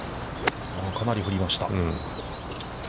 かなり振りました。